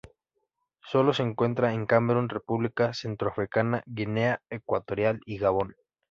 Se lo encuentra en Camerún, República Centroafricana, Guinea Ecuatorial y Gabón.